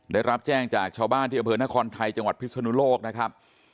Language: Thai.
ได้รับแจ้งจากชาวบ้านที่อำเภอนครไทยจังหวัดพิศนุโลกนะครับ